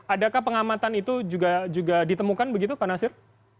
adakah pengamatan itu juga ditemukan begitu pak nasir